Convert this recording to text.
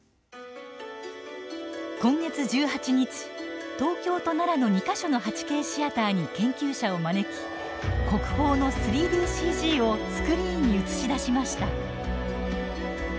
今月１８日東京と奈良の２か所の８Ｋシアターに研究者を招き国宝の３ＤＣＧをスクリーンに映し出しました。